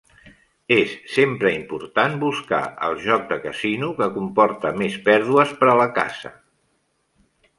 Es sempre important buscar el joc de casino que comporta més pèrdues per a la casa.